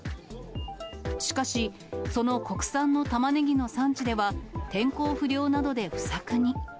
しかし、その国産のたまねぎの産地では、天候不良などで不作に。